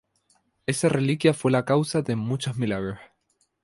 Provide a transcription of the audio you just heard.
Esa reliquia fue la causa de muchos milagros.